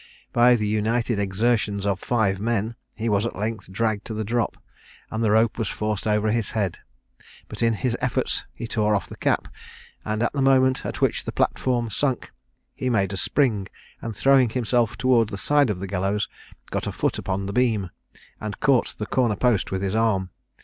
By the united exertions of five men, he was at length dragged to the drop, and the rope was forced over his head; but in his efforts he tore off the cap; and at the moment at which the platform sunk, he made a spring, and throwing himself towards the side of the gallows, got his foot upon the beam, and caught the corner post with his arm.